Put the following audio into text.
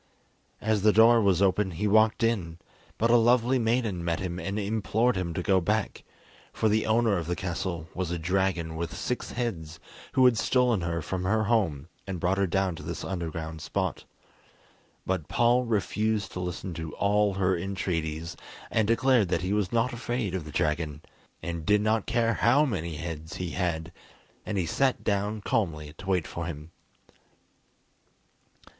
As the door was open he walked in, but a lovely maiden met him and implored him to go back, for the owner of the castle was a dragon with six heads, who had stolen her from her home and brought her down to this underground spot. But Paul refused to listen to all her entreaties, and declared that he was not afraid of the dragon, and did not care how many heads he had; and he sat down calmly to wait for him.